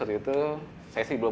di luar negara